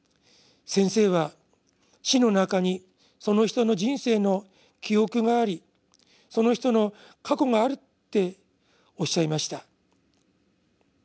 先生は『死』の中にその人の人生の『記憶』がありその人の『過去』があるっておっしゃいました。